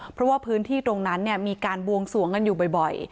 เพราะว่าพื้นที่ตรงนั้นมีการบวงสวงกันอยู่บ่อย